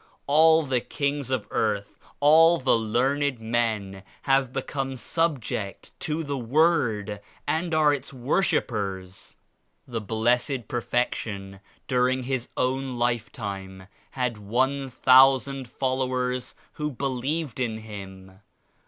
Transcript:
All the kings of earth, all the learned men have become subject to the Word and are its worshippers. The Blessed Perfection during His own life time had one thousand followers who believed in Him.